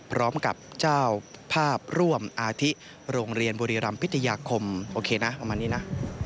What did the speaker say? พร้อมกับเจ้าภาพร่วมอาทิโรงเรียนบุรีรำพิทยาคมโอเคนะประมาณนี้นะ